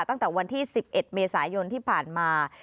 ตั้งแต่วันที่๑๑เมษายนที่ผ่านมา